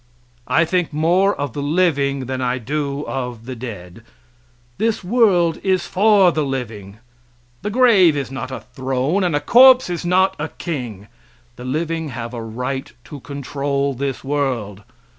I think more of the living than I do of the dead. This world is for the living. The grave is not a throne, and a corpse is not a king. The living have a right to control this world.